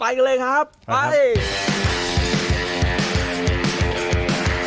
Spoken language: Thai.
ไปกันเลยครับไป